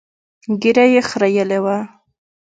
ږيره يې خرييلې وه.